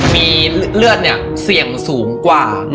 มีเลือดเนี่ยเสี่ยงสูงกว่า